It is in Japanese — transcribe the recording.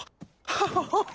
ハハハハ！